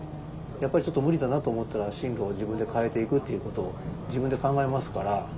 やっぱりちょっと無理だなと思ったら進路を自分で変えていくっていうことを自分で考えますから。